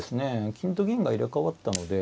金と銀が入れ代わったので。